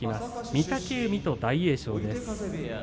御嶽海と大栄翔です。